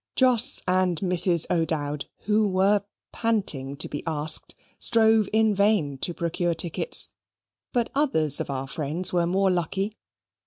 Jos and Mrs. O'Dowd, who were panting to be asked, strove in vain to procure tickets; but others of our friends were more lucky.